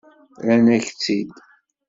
Rran-ak-tt-id.